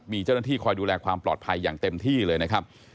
มีเจ้าหน้าที่คอยดูแลความปลอดภัยอย่างเต็มที่เลยนะครับ